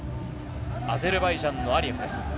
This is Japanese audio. アゼルバイジャンのアリエフです。